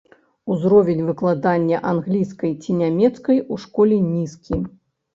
Узровень выкладання англійскай ці нямецкай у школе нізкі.